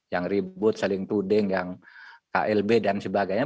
yang ribut saling tuding yang klb dan sebagainya